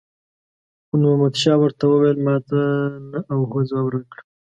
خو نور محمد شاه ورته وویل ماته نه او هو ځواب راکړه.